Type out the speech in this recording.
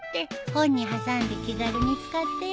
本に挟んで気軽に使ってよ。